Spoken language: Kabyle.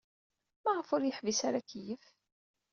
Maɣef ur yeḥbis ara akeyyef?